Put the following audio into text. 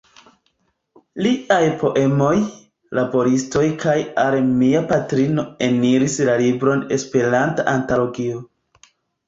Liaj poemoj "Laboristoj" kaj "Al mia patrino" eniris la libron "Esperanta Antologio".